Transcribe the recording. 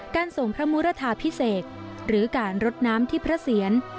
ส่งพระมุรทาพิเศษหรือการรดน้ำที่พระเสียร